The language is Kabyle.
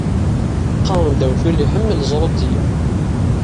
Qqaṛen-d awtul iḥemmel ẓrudeyya.